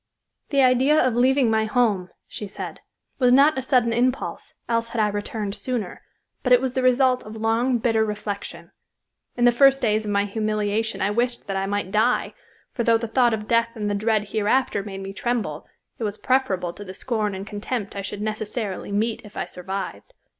"The idea of leaving my home," said she, "was not a sudden impulse, else had I returned sooner, but it was the result of long, bitter reflection. In the first days of my humiliation I wished that I might die, for though the thought of death and the dread hereafter made me tremble, it was preferable to the scorn and contempt I should necessarily meet if I survived.